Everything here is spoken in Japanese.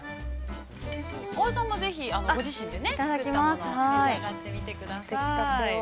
◆葵さんもぜひご自身で作ったものを召し上がってみてください。